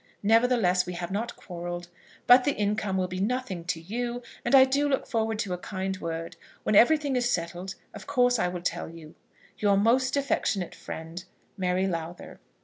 Nevertheless, we have not quarrelled. But the income will be nothing to you, and I do look forward to a kind word. When everything is settled, of course I will tell you. Your most affectionate friend, MARY LOWTHER.